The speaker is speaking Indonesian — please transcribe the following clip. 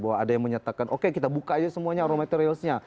bahwa ada yang menyatakan oke kita buka aja semuanya raw materials nya